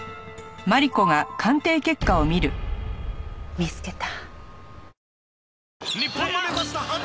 見つけた。